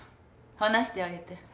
話してあげて。